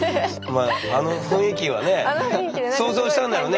まああの雰囲気はねえ想像したんだろうね。